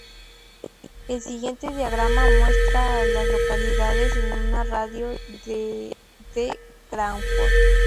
El siguiente diagrama muestra a las localidades en un radio de de Crawford.